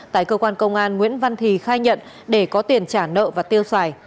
tại cơ quan công an nguyễn văn thì khai nhận để có tiền trả nợ và tiêu xài